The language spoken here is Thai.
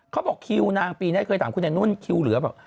เขาบอกคิวนางปีนี้เคยถามคุณไอ้นุ่นคิวเหลือบอก